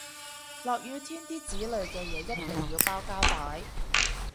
落雨天啲紙類嘅嘢一定要包膠袋